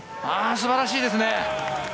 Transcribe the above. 素晴らしいですね。